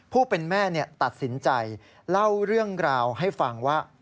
ผู้เป็นแม่ตัดสินใจเล่าเรื่องราวให้ฟังว่า